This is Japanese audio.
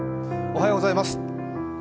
おはようございます。